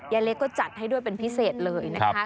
เล็กก็จัดให้ด้วยเป็นพิเศษเลยนะคะ